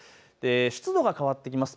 湿度が変わってきます。